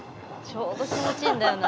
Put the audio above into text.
ちょうど気持ちいいんだよね。